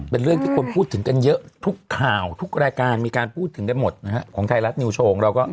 ก็เป็นกลุ่มนักศูนย์กิจแบบที่มีเงินในระดับนึง